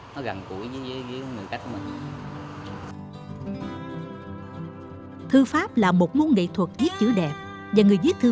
nó gần cũi với những người cách mình thư pháp là một nguồn nghệ thuật viết chữ đẹp và người viết thư